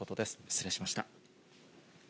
失礼しました。